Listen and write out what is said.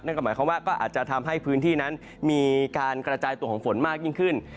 หมายความว่าก็อาจจะทำให้พื้นที่นั้นมีการกระจายตัวของฝนมากยิ่งขึ้น